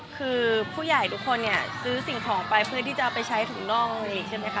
คือผู้ใหญ่ทุกคนซื้อสิ่งของไปเพื่อที่จะเอาไปใช้ถุงนอก